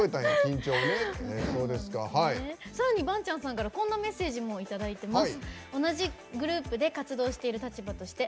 さらにバンチャンさんからこんなメッセージもいただいてます。